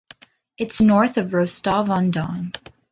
It’s north of Rostov-on-Don.